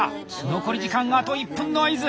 残り時間あと１分の合図。